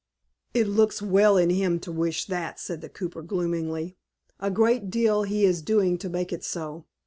"It looks well in him to wish that," said the cooper, gloomily. "A great deal he is doing to make it so.